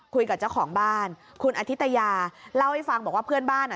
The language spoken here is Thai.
คุยกับเจ้าของบ้านคุณอธิตยาเล่าให้ฟังบอกว่าเพื่อนบ้านอ่ะ